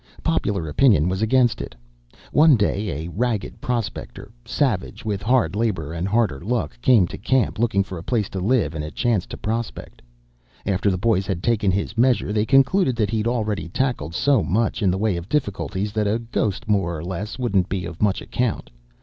Popular opinion was against it. One day a ragged prospector, savage with hard labor and harder luck, came to the camp, looking for a place to live and a chance to prospect. After the boys had taken his measure, they concluded that he'd already tackled so much in the way of difficulties that a ghost more or less wouldn't be of much account.